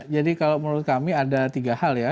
jadi kalau menurut kami ada tiga hal ya